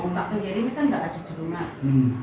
waktu ini kan gak ada di rumah